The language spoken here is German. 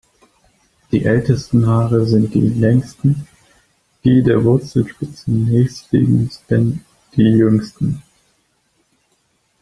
Die ältesten Haare sind die längsten, die der Wurzelspitze nächstliegenden die jüngsten.